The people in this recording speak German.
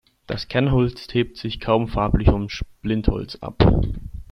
Das Kernholz hebt sich kaum farblich vom Splintholz ab.